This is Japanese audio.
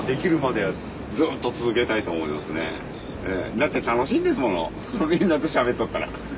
だって楽しいんですものみんなとしゃべっとったら。